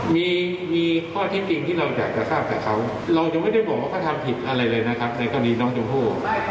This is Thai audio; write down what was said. มีข้อทิ้งที่เราจะทราบกับเขาเราจะไม่ด้วยบอกว่านเขาทำผิดอะไรเลยในคดีน้องจังพู